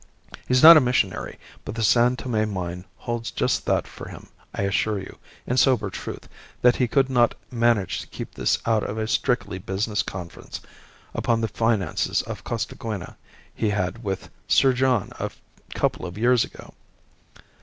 He's not a missionary, but the San Tome mine holds just that for him. I assure you, in sober truth, that he could not manage to keep this out of a strictly business conference upon the finances of Costaguana he had with Sir John a couple of years ago.